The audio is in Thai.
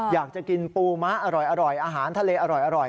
อยากจะกินปูม้าอร่อยอาหารทะเลอร่อย